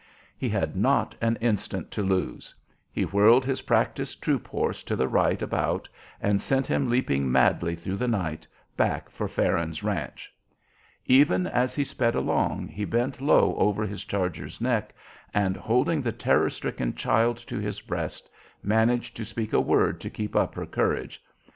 He had not an instant to lose. He whirled his practised troop horse to the right about, and sent him leaping madly through the night back for Farron's ranch. Even as he sped along, he bent low over his charger's neck, and, holding the terror stricken child to his breast, managed to speak a word to keep up her courage.